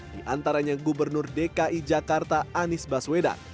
diantaranya gubernur dki jakarta anies baswedan